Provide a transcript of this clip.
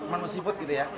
menu seafood gitu ya